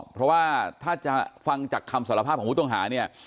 เพราะว่าถ้าจะฟังจากคำสารภาพของฮุทธรรมนะคะ